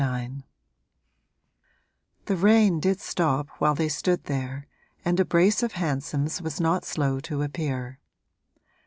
IX The rain did stop while they stood there, and a brace of hansoms was not slow to appear.